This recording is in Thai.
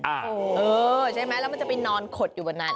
เออใช่ไหมแล้วมันจะไปนอนขดอยู่บนนั้น